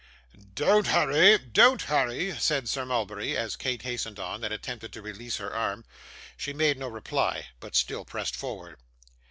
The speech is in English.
'Don't hurry, don't hurry,' said Sir Mulberry, as Kate hastened on, and attempted to release her arm. She made no reply, but still pressed forward.